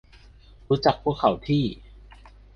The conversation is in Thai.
รู้จักพวกเขาที่